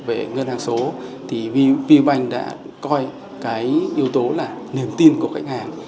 về ngân hàng số thì vu bank đã coi cái yếu tố là niềm tin của khách hàng